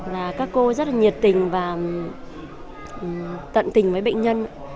là các cô rất là nhiệt tình và tận tình với bệnh nhân